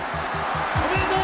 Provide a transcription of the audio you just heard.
おめでとう！